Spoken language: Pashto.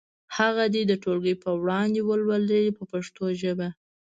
هغه دې د ټولګي په وړاندې ولولي په پښتو ژبه.